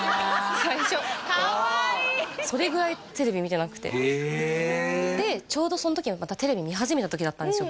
最初かわいいそれぐらいテレビ見てなくてへえでちょうどそん時がテレビ見始めた時だったんですよ